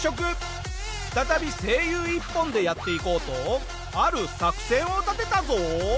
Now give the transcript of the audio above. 再び声優一本でやっていこうとある作戦を立てたぞ！